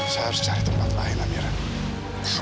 saya harus cari tempat lain